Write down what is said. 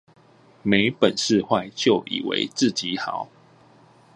沒本事壞就以為自己好